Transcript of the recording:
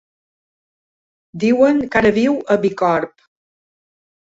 Diuen que ara viu a Bicorb.